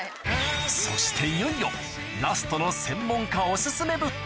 そしていよいよラストの専門家